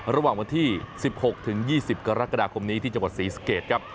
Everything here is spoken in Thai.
ระหว่างวันที่๑๖๒๐กรกฎาคมนี้ที่จังหวัดศรีสเกตครับ